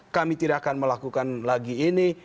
kami tidak akan melakukan lagi ini